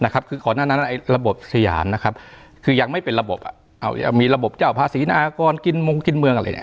คือก่อนหน้านั้นระบบสยามนะครับคือยังไม่เป็นระบบมีระบบเจ้าภาษีนากรกินมงกินเมืองอะไร